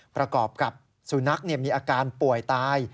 ประกอบกับสุนัขมีอาการป่วยตาย